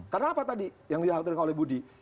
kenapa tadi yang diangkatkan oleh budi